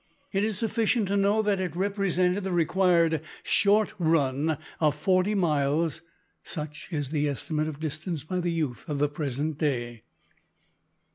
It is sufficient to know that it represented the required "short" run of forty miles such is the estimate of distance by the youth of the present day!